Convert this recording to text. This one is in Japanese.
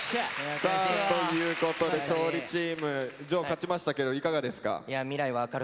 さあということで勝利チーム丈勝ちましたけどいかがですか？